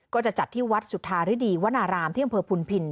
ก็จะจัดที่วัดสุธาริดีวนารามที่อำเภอพุนพิน